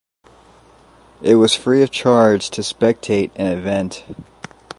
It was free of charge to spectate an event.